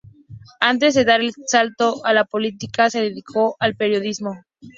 Antes de dar el salto a la política se dedicó al periodismo.